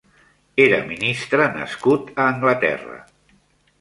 Era ministre nascut a Anglaterra.